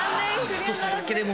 太さだけでも。